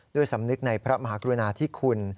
สำนึกในพระมหากรุณาธิคุณ